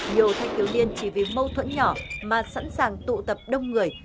nhiều thanh thiếu niên chỉ vì mâu thuẫn nhỏ mà sẵn sàng tụ tập đông người